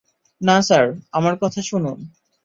না স্যার আমার কথা শুনুন।